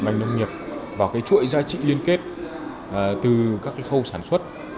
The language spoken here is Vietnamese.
ngành nông nghiệp vào cái chuỗi giá trị liên kết từ các khâu sản xuất